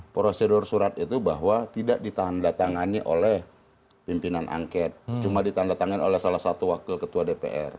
prosedur surat itu bahwa tidak ditandatangani oleh pimpinan angket cuma ditandatangani oleh salah satu wakil ketua dpr